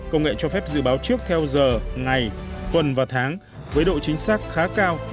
công nghệ cho phép dự báo trước theo giờ ngày tuần và tháng với độ chính xác khá cao